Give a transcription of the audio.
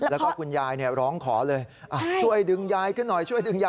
แล้วก็คุณยายร้องขอเลยช่วยดึงยายขึ้นหน่อย